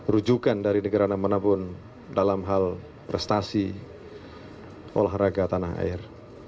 rujukan dari negara manapun dalam hal prestasi olahraga tanah air